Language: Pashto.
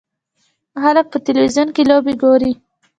خلک په تلویزیون کې لوبې ګوري.